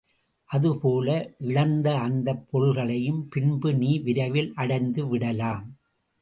அது போல இழந்த அந்தப் பொருள்களையும் பின்பு நீ விரைவில் அடைந்து விடலாம்.